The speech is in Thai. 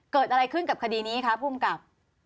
เกิดอะไรขึ้นกับคดีนี้ครับผู้กลับ